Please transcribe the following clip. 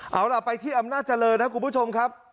เอาล่ะไปที่อำนาจเจริญนะครับคุณผู้ชมครับ